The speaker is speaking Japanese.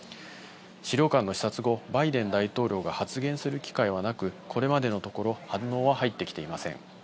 資料館の視察後、バイデン大統領が発言する機会はなく、これまでのところ、反応は入ってきていません。